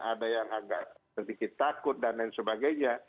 ada yang agak sedikit takut dan lain sebagainya